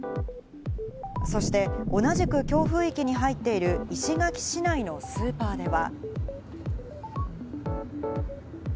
そして同じく強風域に入っている石垣市内のスーパーでは。